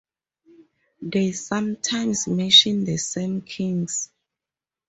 They sometimes mention the same kings.